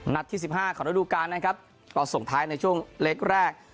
ที่สิบห้าของระดูการนะครับก็ส่งท้ายในช่วงเล็กแรก